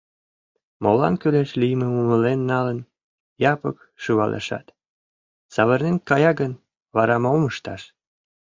Молан кӱлеш лиймым умылен налын, Япык шӱвалешат, савырнен кая гын, вара мом ышташ?